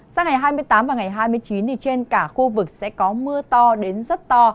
sang ngày hai mươi tám và ngày hai mươi chín trên cả khu vực sẽ có mưa to đến rất to